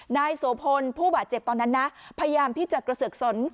นายโสพลผู้บาดเจ็บตอนนั้นนะพยายามที่จะกระเสือกสน